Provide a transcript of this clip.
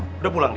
udah pulang dia